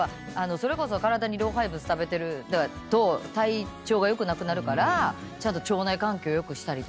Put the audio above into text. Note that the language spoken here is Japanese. それこそ体に老廃物ためてると体調が良くなくなるからちゃんと腸内環境良くしたり。